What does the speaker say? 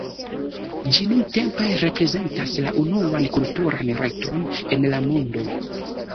Ĝi nuntempe reprezentas la unuan kulturan reton en la mondo.